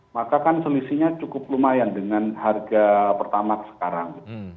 maka kan selisihnya cukup lumayan dengan harga pertamax sekarang